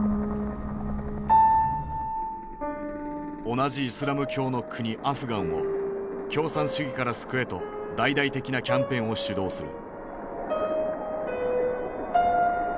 同じイスラム教の国アフガンを共産主義から救えと大々的なキャンペーンを主導する。